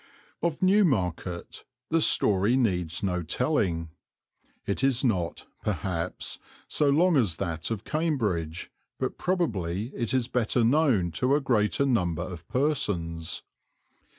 Of Newmarket the story needs no telling. It is not, perhaps, so long as that of Cambridge, but probably it is better known to a greater number of persons.